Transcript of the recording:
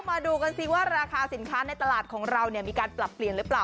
มาดูกันสิว่าราคาสินค้าในตลาดของเรามีการปรับเปลี่ยนหรือเปล่า